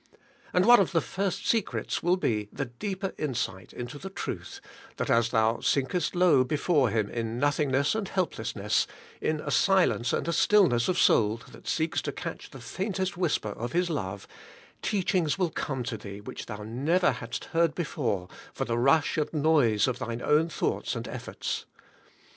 And one of the first secrets will be the deeper insight into the truth, that as thou sinkest low before Him in nothingness and helplessness, in a silence and a stillness of soul that seeks to catch the faintest whisper of His love, teachings will come to thee which thou never hadst heard before for the rush and noise of thine own thoughts and efforts.